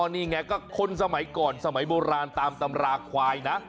นี่ไงก็คนสมัยก่อนสมัยโบราณตามตำราควายนะ